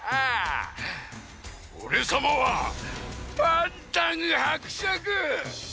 おれさまはパンタンはくしゃく！